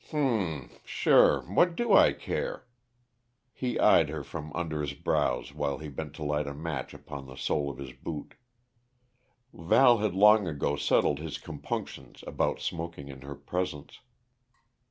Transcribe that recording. "H'm sure, what do I care?" He eyed her from under his brows while he bent to light a match upon the sole of his boot. Val had long ago settled his compunctions about smoking in her presence.